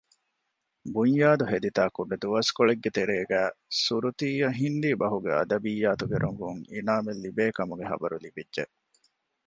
ބުންޔާދު ހެދިތާ ކުޑަދުވަސްކޮޅެއްގެ ތެރޭގައި ސުރުތީއަށް ހިންދީ ބަހުގެ އަދަބިއްޔާތުގެ ރޮނގުން އިނާމެއް ލިބޭ ކަމުގެ ޚަބަރު ލިބިއްޖެ